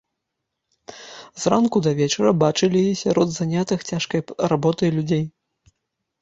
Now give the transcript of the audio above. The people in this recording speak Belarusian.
З ранку да вечара бачылі яе сярод занятых цяжкай работай людзей.